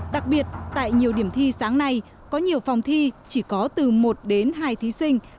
đặc biệt tại nhiều điểm thi sáng nay có nhiều phòng thi chỉ có từ một đến hai thí sinh